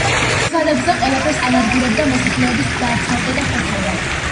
გზადაგზა ყველაფერს ანადგურებდა, მოსახლეობას ძარცვავდა და ხოცავდა.